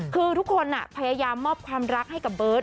คือทุกคนพยายามมอบความรักให้กับเบิร์ต